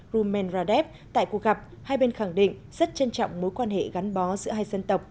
rumen radev tại cuộc gặp hai bên khẳng định rất trân trọng mối quan hệ gắn bó giữa hai dân tộc